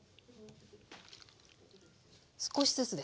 少しずつですか？